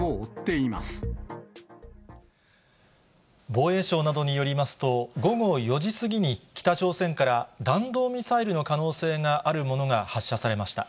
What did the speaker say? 防衛省などによりますと、午後４時過ぎに、北朝鮮から弾道ミサイルの可能性があるものが発射されました。